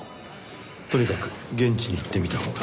とにかく現地に行ってみたほうが。